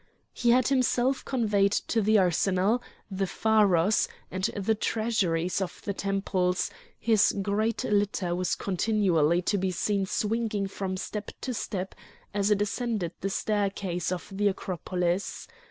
He had himself conveyed to the arsenal, the pharos, and the treasuries of the temples; his great litter was continually to be seen swinging from step to step as it ascended the staircases of the Acropolis.